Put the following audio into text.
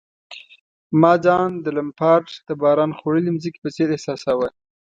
ما ځان د لمپارډ د باران خوړلي مځکې په څېر احساساوه.